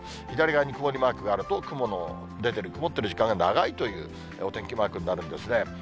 左側に雲のマークがあると、雲の出てる、曇ってる時間が長いというお天気マークになるんですね。